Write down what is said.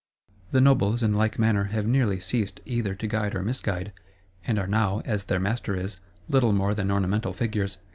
The nobles, in like manner, have nearly ceased either to guide or misguide; and are now, as their master is, little more than ornamental figures.